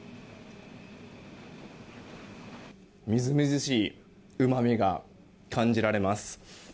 みずみずしいうまみが感じられます。